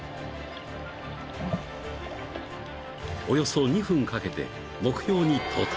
［およそ２分かけて目標に到達］